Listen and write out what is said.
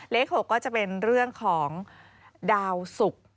เลข๖ก็จะเป็นเรื่องของดาวศุกร์